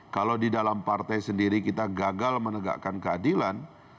kalau di dalam partai sendiri kita gagal menegakkan keadilan